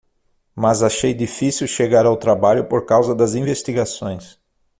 Mas achei difícil chegar ao trabalho por causa das investigações.